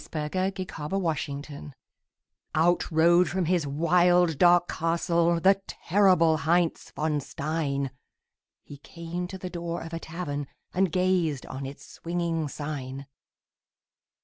_ THE LEGEND OF HEINZ VON STEIN Out rode from his wild, dark castle The terrible Heinz von Stein; He came to the door of a tavern And gazed on its swinging sign.